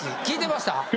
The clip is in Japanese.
聞いてました。